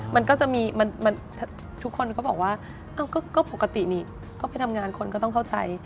มันก็จะมีทุกคนก็บอกว่าก็ปกตินี่ก็ไปทำงานคนก็ต้องเข้าใจ